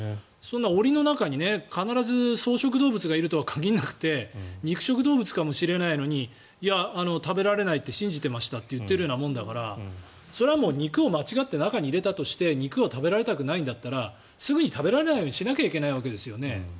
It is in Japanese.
檻の中に必ず草食動物がいるとは限らなくて肉食動物かもしれないのに食べられないって信じていましたと言っているようなものだからそれは肉を間違って中に入れたとして肉を食べられたくないんだったらすぐに食べられないようにしなきゃいけないわけですよね。